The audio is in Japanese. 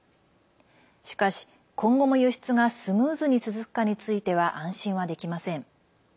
しかし、今後も輸出がスムーズに続くかについては安心はできません。